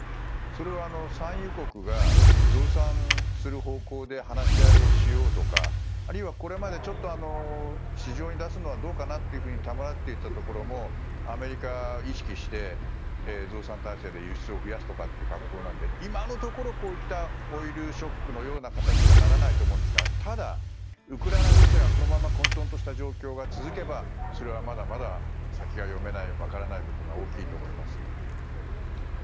それは、産油国が増産する方向で話し合いをしようとかあるいはこれまでちょっと市場に出すのはどうかなっていうふうにためらっていたところもアメリカを意識して増産体制で輸出を増やすという格好なので今のところ、こういったオイルショックのような形にはならないと思うんですがただ、ウクライナ情勢がこのまま混沌とした状況が続けばそれはまだまだ先が読めない、分からない部分が大きいと思います。